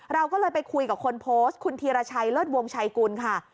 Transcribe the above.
เราก็เลยไปคุยกับคนโพสต์คุณธีรชัยเลิศวงชัยกุลค่ะ